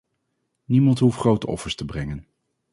Niemand hoeft grote offers te brengen.